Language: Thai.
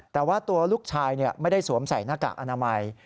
แต่ว่าตัวลูกชายไม่ได้สวมใส่หน้ากากอนามัย